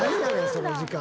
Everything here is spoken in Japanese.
その時間。